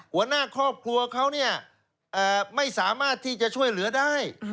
หัวหน้าครอบครัวเขาไม่สามารถที่จะช่วยหลาย